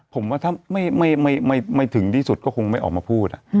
ผมว่าถ้าไม่ถึงที่สุดก็คงไม่ออกมาพูด